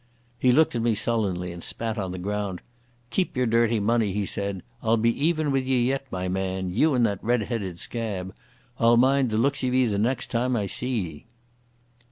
He looked at me sullenly and spat on the ground. "Keep your dirty money," he said. "I'll be even with ye yet, my man—you and that red headed scab. I'll mind the looks of ye the next time I see ye."